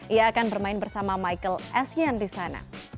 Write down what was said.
ia akan bermain bersama michael asean di sana